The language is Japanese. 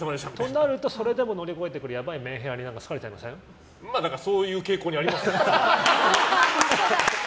となるとそれでも乗り越えてくるメンヘラにまあそういう傾向にありますよ。